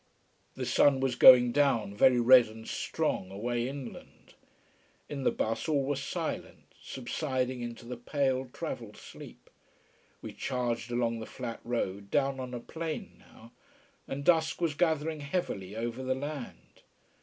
The sun was going down, very red and strong, away inland. In the bus all were silent, subsiding into the pale travel sleep. We charged along the flat road, down on a plain now. And dusk was gathering heavily over the land.